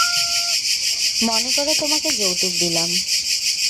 মনেকরো তোমাকে যৌতুক দিলাম।